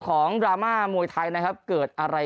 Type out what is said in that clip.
ดราม่ามวยไทยนะครับเกิดอะไร